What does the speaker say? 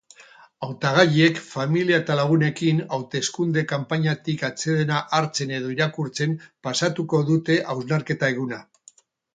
Hautagaiek familia eta lagunekin, hauteskunde-kanpainatik atsedena hartzen edo irakurtzen pasatuko dute hausnarketa-eguna.